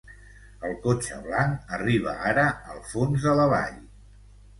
El cotxe blanc arriba ara al fons de la vall.